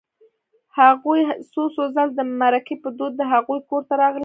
هغوی څو څو ځله د مرکې په دود د هغوی کور ته راغلل